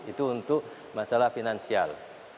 itu untuk masalah finansial